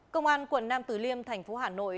công an quận nam tử liêm thành phố hà nội